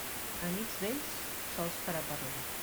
Amics vells, sols per a parlar.